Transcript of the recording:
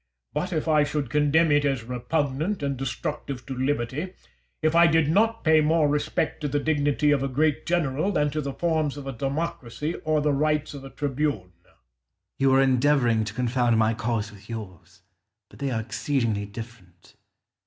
But I should condemn it as repugnant and destructive to liberty, if I did not pay more respect to the dignity of a great general, than to the forms of a democracy or the rights of a tribune. Scipio. You are endeavouring to confound my cause with yours; but they are exceedingly different.